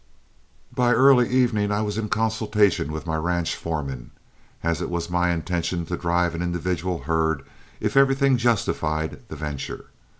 By early evening I was in consultation with my ranch foreman, as it was my intention to drive an individual herd if everything justified the venture.